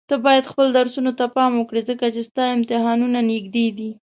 ته بايد خپل درسونو ته پام وکړي ځکه چي ستا امتحانونه نيږدي دي.